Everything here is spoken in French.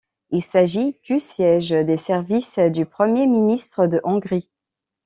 Il s'agit du siège des services du Premier ministre de Hongrie.